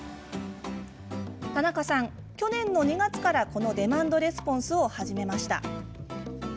田中さんは去年の２月からこのデマンドレスポンスを始めました。